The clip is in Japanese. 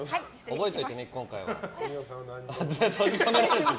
覚えておいてね、今回は。